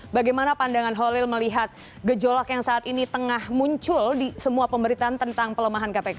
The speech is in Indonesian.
bagaimana pandangan holil melihat gejolak yang saat ini tengah muncul di semua pemberitaan tentang pelemahan kpk